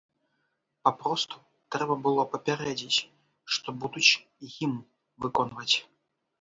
Папросту трэба было папярэдзіць, што будуць гімн выконваць.